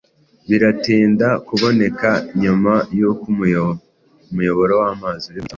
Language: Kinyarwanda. biratinda kuboneka nyuma y'uko umuyoboro w'amazi uri mu cyumba